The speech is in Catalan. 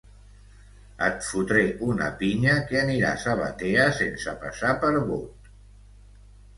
Et fotré una pinya que aniràs a Batea sense passar per Bot.